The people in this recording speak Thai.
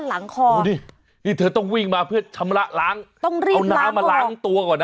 ไส้หน้าไส้แครแล้วก็ด้านหลังคอ